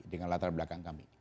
dengan latar belakang kami